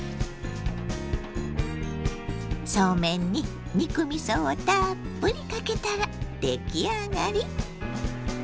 そうめんに肉みそをたっぷりかけたら出来上がり！